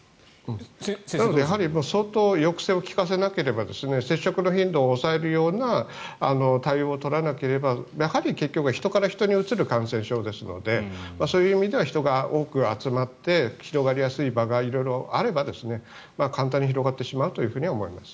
相当、抑制を効かせなければ接触の頻度を抑えるような対応を取らなければやはり結局は人から人にうつる感染症ですのでそういう意味では人が多く集まって広がりやすい場が色々あれば、簡単に広がってしまうと思います。